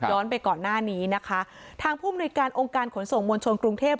ไปก่อนหน้านี้นะคะทางผู้มนุยการองค์การขนส่งมวลชนกรุงเทพ